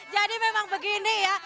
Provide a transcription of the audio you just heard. jadi memang begini ya